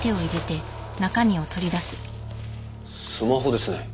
スマホですね。